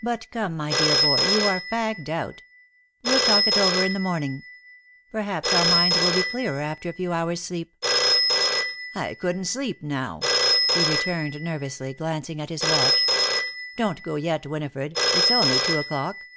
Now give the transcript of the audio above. "But come, my dear boy, you are fagged out. We'll talk it over in the morning. Perhaps our minds will be clearer after a few hours' sleep." "I couldn't sleep now," he returned nervously, glancing at his watch. "Don't go yet, Winifred. It's only two o'clock."